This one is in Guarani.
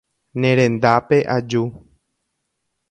Nerendápe aju.